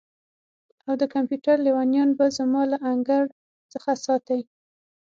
او د کمپیوټر لیونیان به زما له انګړ څخه ساتئ